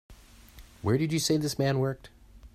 Where did you say this man worked?